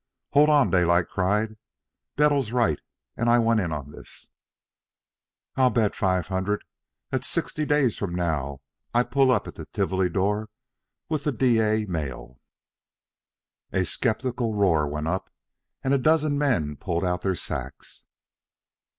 "Hold on!" Daylight cried. "Bettles's right, and I want in on this. I bet five hundred that sixty days from now I pull up at the Tivoli door with the Dyea mail." A sceptical roar went up, and a dozen men pulled out their sacks.